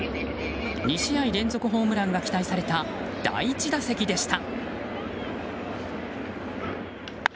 ２試合連続ホームランが期待された第１打席でした。